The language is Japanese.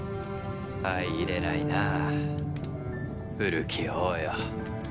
相いれないな古き王よ。